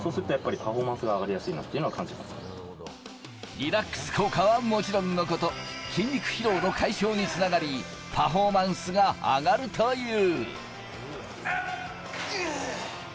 リラックス効果はもちろんのこと、筋肉疲労の解消につながり、パフォーマンスが上がるという。